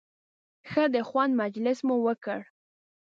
ښه د خوند مجلس مو وکړ.